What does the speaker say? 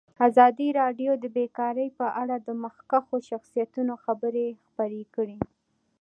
ازادي راډیو د بیکاري په اړه د مخکښو شخصیتونو خبرې خپرې کړي.